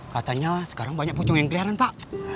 katanya sekarang banyak pucung yang keliaran pak